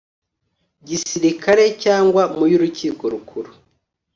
Gisirikare cyangwa mu y Urukiko Rukuru